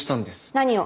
何を？